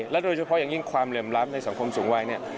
โดยเฉพาะอย่างยิ่งความเหลื่อมล้ำในสังคมสูงวัยเนี่ย